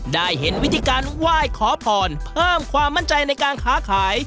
ได้เห็นวิธีการไหว้ขอพรเพิ่มความมั่นใจในการค้าขาย